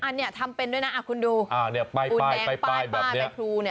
อ้านเนี่ยทำเป็นด้วยนะอ่ะคุณดูปูนแดงป้ายแบบนี้